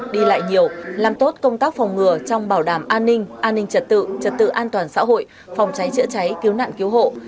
đi lại nhiều làm tốt công tác phòng ngừa trong bảo đảm an ninh an ninh trật tự trật tự an toàn xã hội phòng cháy chữa cháy cứu nạn cứu hộ